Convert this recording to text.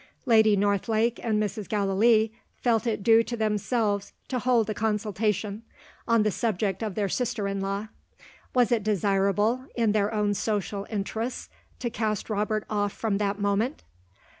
Lady Northlake and Mrs. Gallilee felt it due to themselves to hold a consultation, on the subject of their sister in law. Was it desirable, in their own social interests, to cast Robert off from that moment?